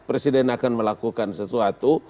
presiden akan melakukan sesuatu